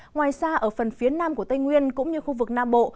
ngoài ra ở phần phía nam của tây nguyên cũng như khu vực nam bộ